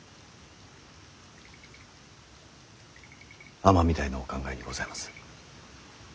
尼御台のお考えにございます。